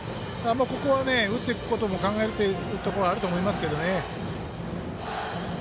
ここは打っていくことも考えているところあると思いますけど。